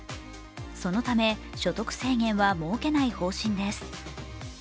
そのため、所得制限は設けない方針です。